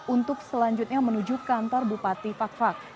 untuk selanjutnya menuju kantor bupati fak fak